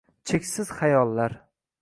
Cheksiz xayollar